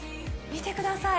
見てください。